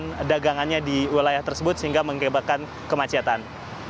dan dagangannya di wilayah tersebut sehingga mengakibatkan kemacetan